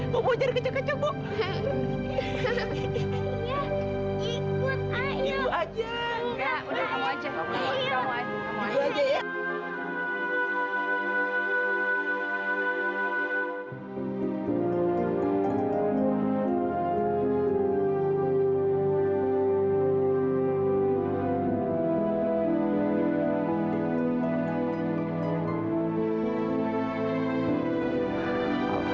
mau bocor kecok kecok bu